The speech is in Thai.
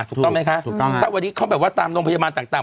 ถูกต้องไหมคะถูกต้องถ้าวันนี้เขาแบบว่าตามโรงพยาบาลต่าง